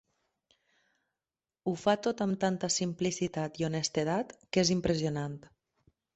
Ho fa tot amb tanta simplicitat i honestedat que és impressionant.